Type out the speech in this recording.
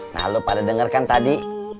nah lo pada denger kan tadi